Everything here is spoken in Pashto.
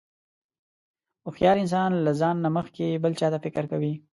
هوښیار انسان له ځان نه مخکې بل چاته فکر کوي.